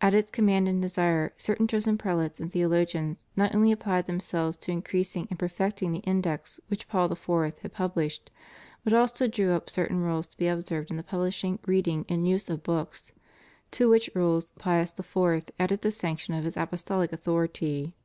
At its command and desire, certain chosen prelates and theologians not only applied themselves to increasing and perfecting the Index which Paul IV. had published, but also drew up certain rules to be observed in the publishing, reading, and use of books; to which rules Pius IV, added the sanction of his apostolic authority.